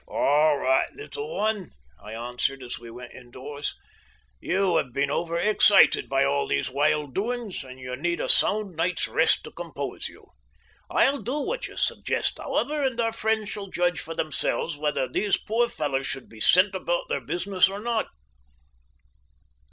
"All right, little one," I answered, as we went indoors. "You have been over excited by all these wild doings, and you need a sound night's rest to compose you. I'll do what you suggest, however, and our friends shall judge for themselves whether these poor fellows should be sent about their business or not."